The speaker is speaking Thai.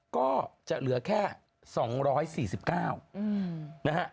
ก็จะเหลือแค่๒๔๙นะฮะ